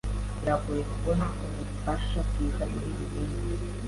Biragoye kubona ubufasha bwiza muriyi minsi.